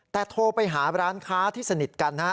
แต่โทรไปหาร้านค้าที่สนิทกันนะฮะ